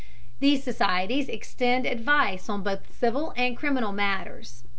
These societies extend advice on both civil and criminal matters.